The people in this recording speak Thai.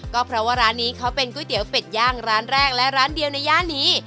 ก็เพราะว่าร้านนี้เขาเป็นก๋วยเตี๋ยวเป็ดย่างร้านแรกและร้านเดียวในย่านนี้